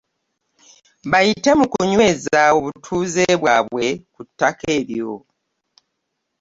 Bayite mu kunyweza obutuuze bwabwe ku ttaka eryo